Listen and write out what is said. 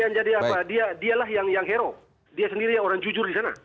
yang jadi apa dialah yang hero dia sendiri orang jujur di sana